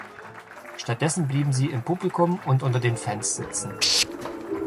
Stattdessen blieben sie im Publikum unter den Fans sitzen.